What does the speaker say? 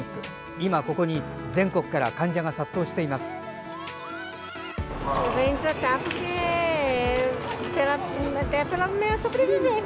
今ここに全国から患者が殺到しています。